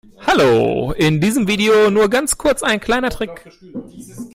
Hallo, in diesem Video nur ganz kurz ein kleiner Trick.